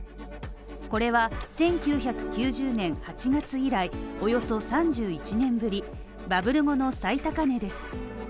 これは１９９０年８月以来、およそ３１年ぶり、バブル後の最高値です。